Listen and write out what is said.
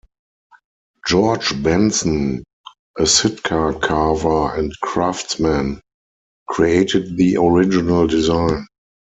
George Benson, a Sitka carver and craftsman, created the original design.